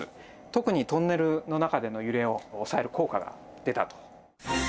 特にトンネルの中での揺れを抑える効果が出たと。